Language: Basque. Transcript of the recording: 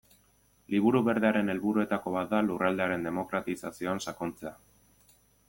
Liburu Berdearen helburuetako bat da lurraldearen demokratizazioan sakontzea.